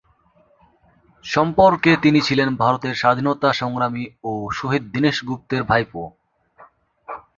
সম্পর্কে তিনি ছিলেন ভারতের স্বাধীনতা সংগ্রামী ও শহীদ দীনেশ গুপ্তের ভাইপো।